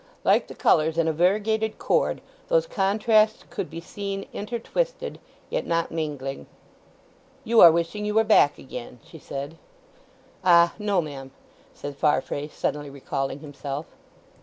Like the colours in a variegated cord those contrasts could be seen intertwisted, yet not mingling. "You are wishing you were back again," she said. "Ah, no, ma'am," said Farfrae, suddenly recalling himself.